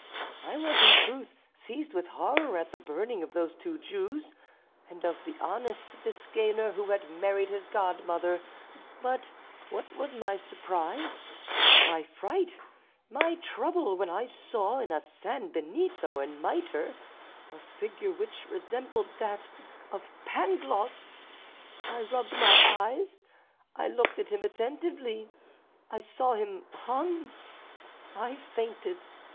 I was in truth seized with horror at the burning of those two Jews, and of the honest Biscayner who had married his godmother; but what was my surprise, my fright, my trouble, when I saw in a san benito and mitre a figure which resembled that of Pangloss! I rubbed my eyes, I looked at him attentively, I saw him hung; I fainted.